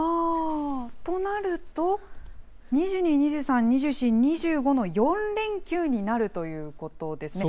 となると、２２、２３、２４、２５の４連休になるということですね。